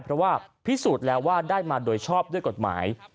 เพราะว่าพิสูจน์แล้วว่าได้มาโดยชอบด้วยกฎหมาย